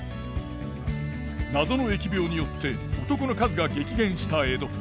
謎の疫病によって男の数が激減した江戸。